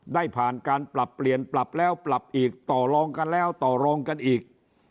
ได้ผ่านการปรับเปลี่ยนปรับแล้วปรับอีกต่อรองกันแล้วต่อรองกันอีก